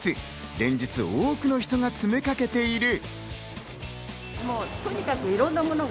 連日、多くの人が詰めかけている。